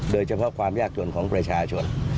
โดยเฉพาะความยากจนของประชาชน